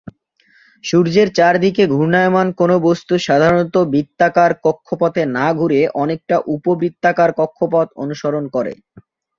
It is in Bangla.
সূর্যের চারদিকে ঘূর্ণায়মান কোন বস্তু সাধারণত বৃত্তাকার কক্ষপথে না ঘুরে অনেকটা উপবৃত্তাকার কক্ষপথ অনুসরণ করে।